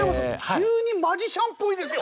急にマジシャンっぽいですよ。